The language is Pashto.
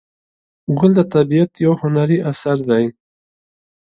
ګل د طبیعت یو هنري اثر دی.